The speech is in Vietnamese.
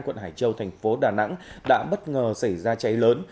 quận hải châu thành phố đà nẵng đã bất ngờ xảy ra cháy lớn